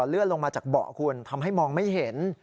เลื่อนลงมาจากเบาะคุณทำให้มองไม่เห็น